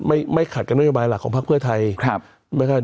ไม่ขัดกันนโยบายหลักของภาคเพื่อไทย